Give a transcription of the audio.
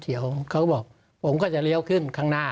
เขาก็บอกผมก็จะเลี้ยวขึ้นข้างหน้า